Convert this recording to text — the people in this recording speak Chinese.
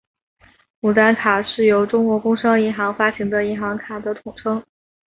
牡丹卡是由中国工商银行发行的银行卡的统称。